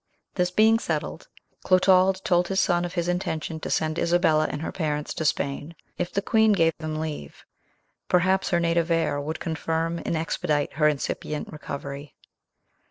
This being settled, Clotald told his son of his intention to send Isabella and her parents to Spain, if the queen gave them leave; perhaps her native air would confirm and expedite her incipient recovery.